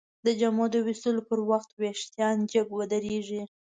د جامو د ویستلو پر وخت وېښتان جګ ودریږي.